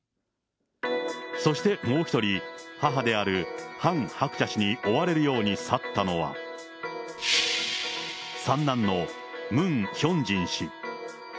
そしてもう一人、母であるハン・ハクチャ氏に追われるように去ったのは、三男のムン・ヒョンジン氏。